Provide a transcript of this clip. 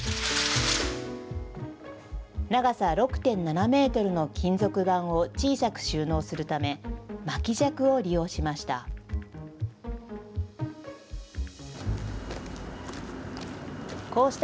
長さ６．７メートルの金属板を小さく収納するため、巻き尺を利用しました。